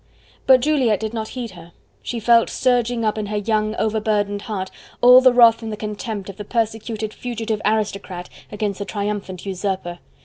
But Juliette did not heed her: she felt surging up in her young, overburdened heart all the wrath and the contempt of the persecuted, fugitive aristocrat against the triumphant usurper.